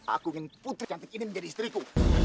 aku ingin putri cantik ini menjadi istriku